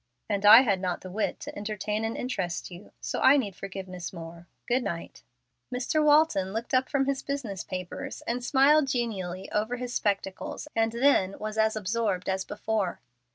"And I had not the wit to entertain and interest you, so I need forgiveness more. Good night." Mr. Walton looked up from his business papers and smiled genially over his spectacles and then was as absorbed as before.